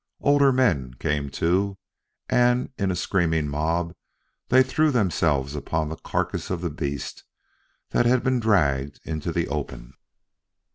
Older men came, too, and in a screaming mob they threw themselves upon the carcass of the beast that had been dragged into the open.